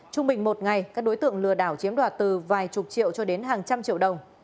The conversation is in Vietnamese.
trung bình một ngày các đối tượng lừa đảo chiếm đoạt từ vài chục triệu cho đến hàng trăm triệu đồng